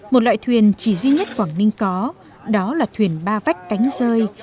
một loại thuyền chỉ duy nhất quảng ninh có đó là thuyền ba vách cánh rơi